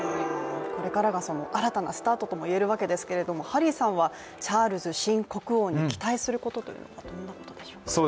これからがその新たなスタートとも言えるわけですけど、ハリーさんはチャールズ新国王に期待すること、どんなことでしょう？